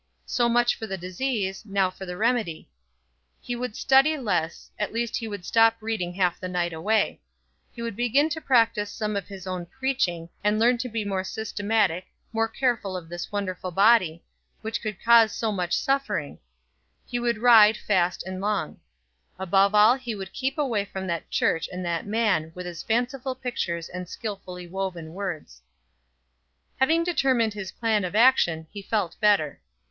So much for the disease, now for the remedy. He would study less, at least he would stop reading half the night away; he would begin to practice some of his own preaching, and learn to be more systematic, more careful of this wonderful body, which could cause so much suffering; he would ride fast and long; above all, he would keep away from that church and that man, with his fanciful pictures and skillfully woven words. Having determined his plan of action he felt better.